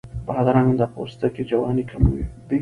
بادرنګ د پوستکي جوانۍ کموي.